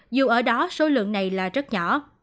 dù ở đó số lượng này là rất nhỏ